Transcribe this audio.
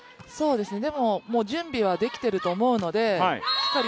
でも準備はできてると思うのでしっかり